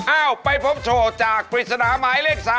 อ้าวไปพบโชว์จากปริศนาหมายเลข๓